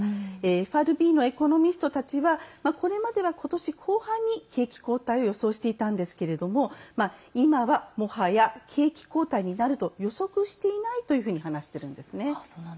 ＦＲＢのエコノミストたちはこれまでは今年後半に景気後退を予想していたんですけれども今は、もはや景気後退になると予測していないというふうに話しているんですね。